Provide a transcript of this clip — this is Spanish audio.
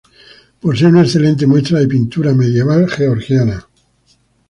Posee una excelente muestra de pintura medieval georgiana.